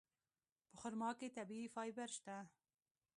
په خرما کې طبیعي فایبر شته.